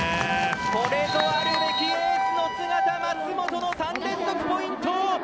これぞあるべきエースの姿舛本の３連続ポイント。